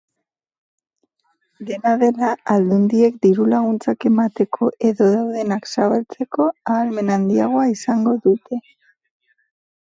Dena dela, aldundiek dirulaguntzak emateko edo daudenak zabaltzeko ahalmen handiagoa izango dute.